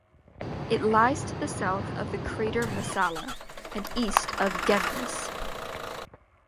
It lies to the south of the crater Messala, and east of Geminus.